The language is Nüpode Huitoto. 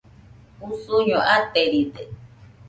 Usuño ateride